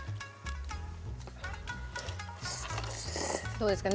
どうですか？